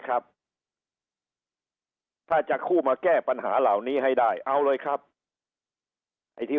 ครับถ้าจะคู่มาแก้ปัญหาเหล่านี้ให้ได้เอาเลยครับไอ้ที่